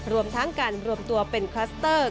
รวมทั้งการรวมตัวเป็นคลัสเตอร์